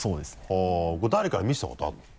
はぁこれ誰かに見せたことある？